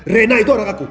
rena itu anak aku